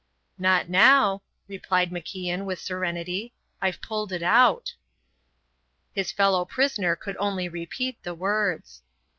"Not now," replied MacIan with serenity. "I've pulled it out." His fellow prisoner could only repeat the words.